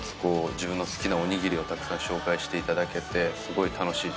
自分の好きなおにぎりをたくさん紹介していただけてすごい楽しい時間でした。